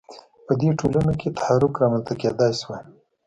په دې ټولنو کې تحرک رامنځته کېدای شوای.